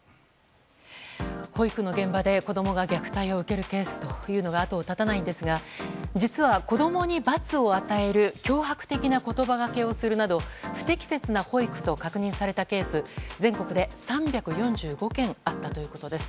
保育の現場で子供が虐待を受けるケースというのが後を絶たないんですが実は子供に罰を与える脅迫的な言葉がけをするなど不適切な保育と確認されたケース全国で３４５件あったということです。